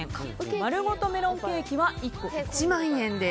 まるごとメロンケーキは１個１万円です。